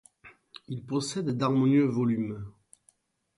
Il possède d'harmonieux volumes.